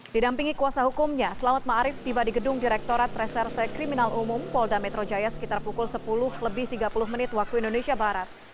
didampingi kuasa hukumnya selamat ma'arif tiba di gedung direktorat reserse kriminal umum polda metrojaya sekitar pukul sepuluh lebih tiga puluh menit waktu indonesia barat